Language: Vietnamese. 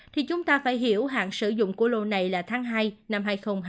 thì chúng ta phải hiểu hạn sử dụng của lô này là tháng hai năm hai nghìn hai mươi